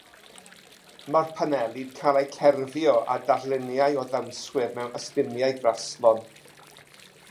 Mae paneli'n cael eu cerfio â darluniau o ddawnswyr mewn ystumiau graslon.